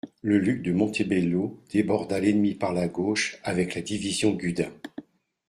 Le duc de Montebello déborda l'ennemi par la gauche avec la division Gudin.